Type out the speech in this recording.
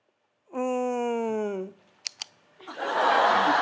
うん。